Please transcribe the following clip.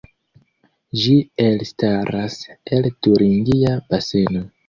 Ĝi elstaras el Turingia Baseno.